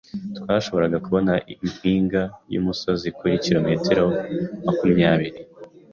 Twashoboraga kubona impinga yumusozi kuri kilometero makumyabiri.